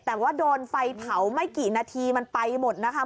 แต่ว่าโดนไฟเผาไม่กี่นาทีมันไปหมดนะคะ